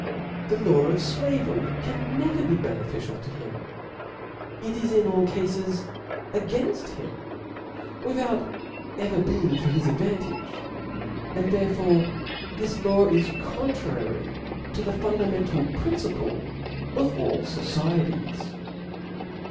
The law of flavery can never be beneficial to him ; it IS in all cales againft him, without ever being for his advantage ; and therefore this law is contnuy to the fundamental principle of all focieties.